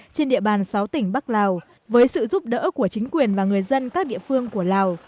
trên địa bàn sáu tỉnh bắc lào với sự giúp đỡ của chính quyền và người dân các địa phương của lào